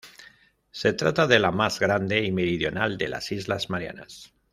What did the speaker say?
Se trata de la más grande y meridional de las Islas Marianas.